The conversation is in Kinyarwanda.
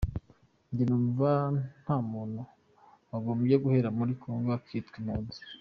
"Jye numva nta muntu wagombye guhera muri Congo akitwa impunzi.